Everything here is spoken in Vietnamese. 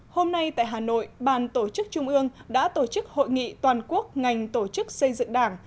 hôm nay tại hà nội ban tổ chức trung ương đã tổ chức hội nghị toàn quốc ngành tổ chức xây dựng đảng